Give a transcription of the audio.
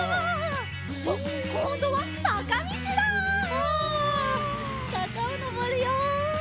おさかをのぼるよ！